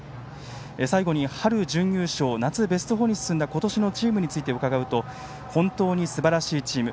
最後に、春準優勝夏ベスト４に進んだ今年のチームについて伺うと、本当にすばらしいチーム。